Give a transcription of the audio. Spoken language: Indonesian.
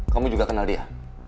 kamu juga kenal dia